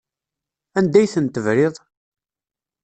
Anda ay ten-tebriḍ?